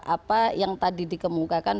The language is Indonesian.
apa yang tadi dikemukakan